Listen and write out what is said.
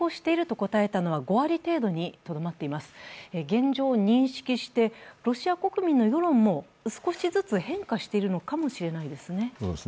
現状を認識して、ロシア国民の世論も少しずつ変化しているのかもしれないですね。